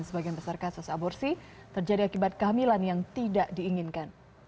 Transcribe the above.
sebagian besar kasus aborsi terjadi akibat kehamilan yang tidak diinginkan